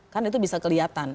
kan itu bisa dilihat